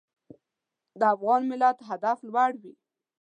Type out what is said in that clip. د افغان هدف تل لوړ وي.